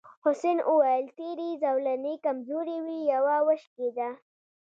حسن وویل تېرې زولنې کمزورې وې یوه وشکېده.